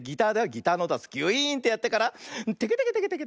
ギターのおとはギュイーンってやってからテケテケテケテケ。